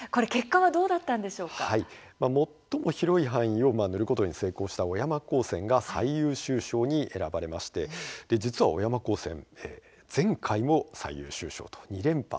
最も広い範囲を塗ることに成功した小山高専が最優秀賞に選ばれまして実は小山高専前回も最優秀賞と２連覇達成です。